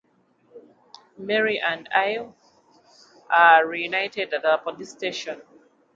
Mary and Irv are reunited at the police station.